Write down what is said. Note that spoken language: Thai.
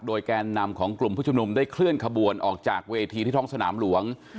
โดยแกนนำของกลุ่มผู้ชุมนุมได้เคลื่อนขบวนออกจากเวทีที่ท้องสนามหลวง